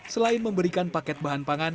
selain memberikan paket bahan pangan